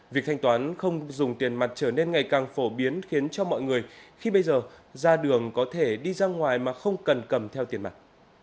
việc thanh toán không dùng tiền mặt trở nên ngày càng phổ biến khiến cho mọi người khi bây giờ ra đường có thể đi ra ngoài mà không cần cầm theo tiền mặt